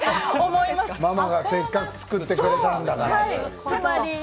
ママがせっかく作ってくれたんだからと。